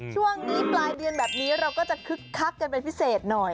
ช่วงนี้ปลายเดือนแบบนี้เราก็จะคึกคักกันเป็นพิเศษหน่อย